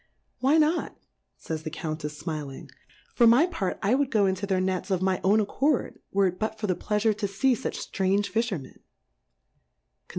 Why not ? Says the Countefs fmiling ; for my part I would go into their Nets of my own accord, were it but for the Pleafure to fee fuch ftrange Fiihermen* Confi Plurality ^WORLDS.